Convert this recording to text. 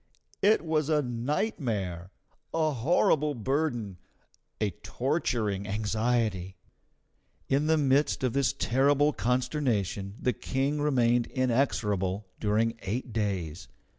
It was a nightmare, a horrible burden, a torturing anxiety. In the midst of this terrible consternation the King remained inexorable during eight days.